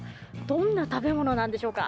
どんな食べ物なんでしょうか。